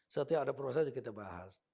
setiap ada proses kita bahas